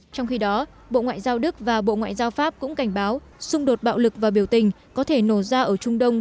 trong khi đó bộ ngoại giao đức và bộ ngoại giao pháp cũng cảnh báo xung đột bạo lực và biểu tình có thể nổ ra ở trung đông